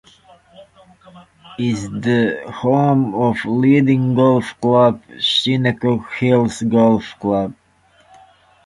It is the home of a leading golf club, Shinnecock Hills Golf Club.